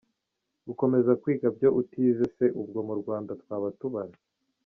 gukomeza kwiga byo utize se ubwo mu Rwanda twaba tubara!.